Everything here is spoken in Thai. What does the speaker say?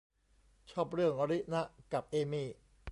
ชอบเรื่องรินะกับเอมี่